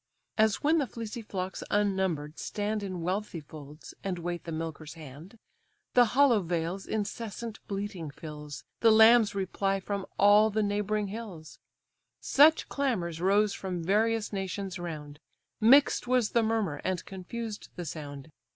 As when the fleecy flocks unnumber'd stand In wealthy folds, and wait the milker's hand, The hollow vales incessant bleating fills, The lambs reply from all the neighbouring hills: Such clamours rose from various nations round, Mix'd was the murmur, and confused the sound.